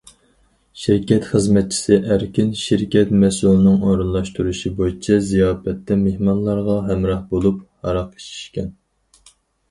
شىركەت خىزمەتچىسى ئەركىن شىركەت مەسئۇلىنىڭ ئورۇنلاشتۇرۇشى بويىچە زىياپەتتە مېھمانلارغا ھەمراھ بولۇپ ھاراق ئىچىشكەن.